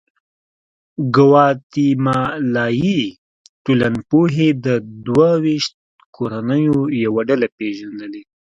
ګواتیمالایي ټولنپوهې د دوه ویشت کورنیو یوه ډله پېژندلې.